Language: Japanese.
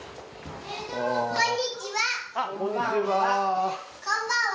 こんにちは！